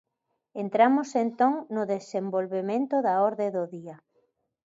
Entramos entón no desenvolvemento da orde do día.